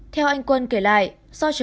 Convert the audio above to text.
theo anh quân kể lại do trời tối